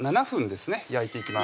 ７分です